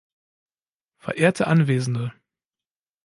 Verehrte Anwesende!